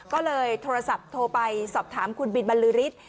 ก็เลยโทรศัพท์โทรไปสอบถามคุณบินบรรลือฤทธิ์